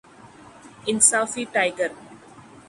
انصافی ٹائگر